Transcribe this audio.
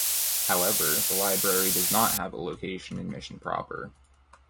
However, the library does not have a location in Mission proper.